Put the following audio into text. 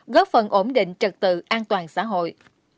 góp phần ổn định trật tự an toàn xã hội